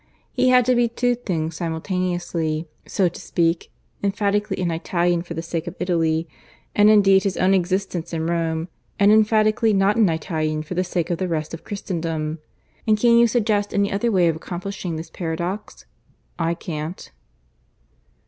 He had to be two things simultaneously, so to speak emphatically an Italian for the sake of Italy and indeed his own existence in Rome; and emphatically not an Italian for the sake of the rest of Christendom. And can you suggest any other way of accomplishing this paradox? I can't."